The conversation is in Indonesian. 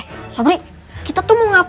eh sobri kita tuh mau ke klinik ini